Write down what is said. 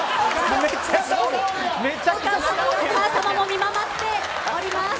お母さまも見守っております。